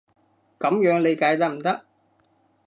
噉樣理解得唔得？